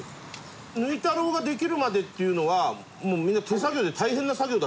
ぬい太郎ができるまでっていうのはもうみんな手作業で大変な作業だったんですか？